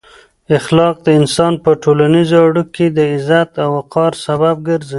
اخلاق د انسان په ټولنیزو اړیکو کې د عزت او وقار سبب ګرځي.